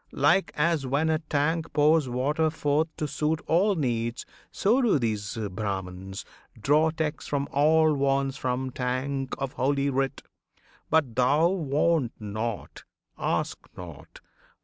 like as when a tank pours water forth To suit all needs, so do these Brahmans draw Text for all wants from tank of Holy Writ. But thou, want not! ask not!